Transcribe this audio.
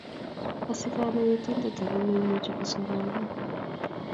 Asige ano Yetindet age ne imuchi kosorua iman?